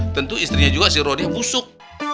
tentu istrinya juga si rodi busuk